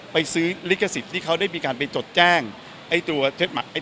ไปซื้อลิขสิทธิ์ที่เขาได้มีการไปจดแจ้งไอ้ตัวเท็จมัก